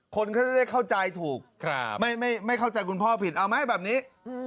คนก็จะได้เข้าใจถูกไม่เข้าใจคุณพ่อผิดเอาไหมแบบนี้